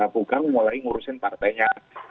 bukan mulai ngurusin partainya